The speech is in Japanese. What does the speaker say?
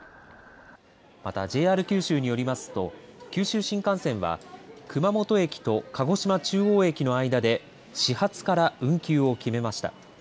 また、ＪＲ九州によりますと九州新幹線は熊本駅と鹿児島中央駅の間で始発から運休を決めました。